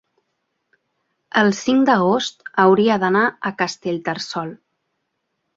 el cinc d'agost hauria d'anar a Castellterçol.